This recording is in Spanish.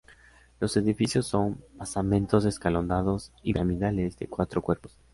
Los edificios son basamentos escalonados y piramidales de cuatro cuerpos.